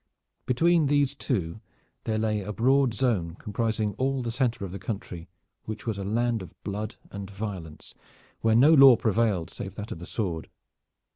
Between these two there lay a broad zone comprising all the center of the country which was a land of blood and violence, where no law prevailed save that of the sword.